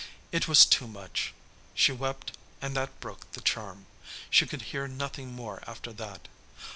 It was too much. She wept, and that broke the charm. She could hear nothing more after that.